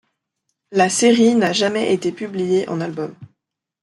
La série na jamais été publié en album.